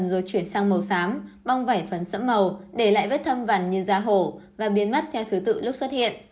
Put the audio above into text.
sau hai tuần rồi chuyển sang màu xám bong vải phần sẫm màu để lại vết thâm vằn như da hổ và biến mất theo thứ tự lúc xuất hiện